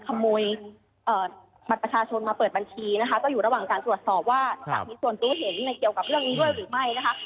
ขโมยบัตรประชาชนมาเปิดบัญชีนะคะก็อยู่ระหว่างการตรวจสอบว่าจะมีส่วนรู้เห็นในเกี่ยวกับเรื่องนี้ด้วยหรือไม่นะคะ